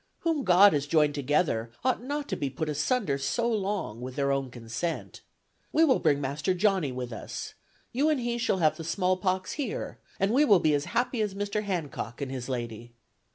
Whom God has joined together ought not to be put asunder so long, with their own consent. We will bring master Johnny with us; you and he shall have the small pox here, and we will be as happy as Mr. Hancock and his lady.